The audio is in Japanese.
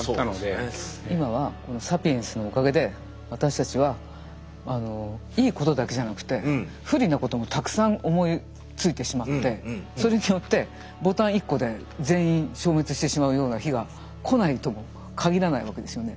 今はこのサピエンスのおかげで私たちはいいことだけじゃなくて不利なこともたくさん思いついてしまってそれによってボタン一個で全員消滅してしまうような日が来ないとも限らないわけですよね。